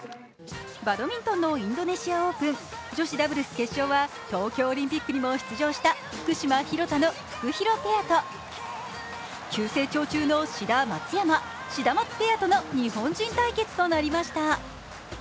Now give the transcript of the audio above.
バドミントンのインドネシアオープン、女子ダブルス決勝は東京オリンピックにも出場した福島・廣田のフクヒロペアと急成長中の志田・松山のシダマツペアとなりました。